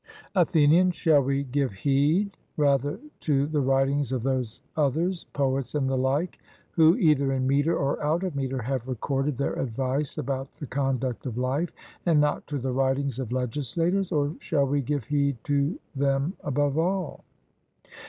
ATHENIAN: Shall we give heed rather to the writings of those others poets and the like, who either in metre or out of metre have recorded their advice about the conduct of life, and not to the writings of legislators? or shall we give heed to them above all?